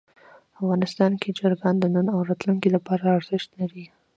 افغانستان کې چرګان د نن او راتلونکي لپاره ارزښت لري.